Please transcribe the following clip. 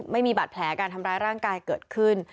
ไม่มีบาดแผลการทำร้ายร่างกายเกิดขึ้น